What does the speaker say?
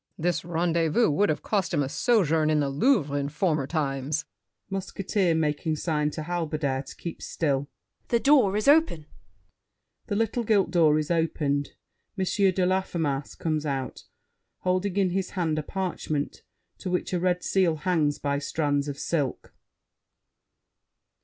This rendezvous Would have cost him a sojourn in the Louvre, In former times. MUSKETEER (making sign to Halberdier to keep still). The door is open. [The little gilt door is opened. M. de Laffemas comes out, holding in his hand a parchment to which a red seal hangs by strands of silk.